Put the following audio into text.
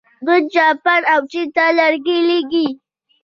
دوی جاپان او چین ته لرګي لیږي.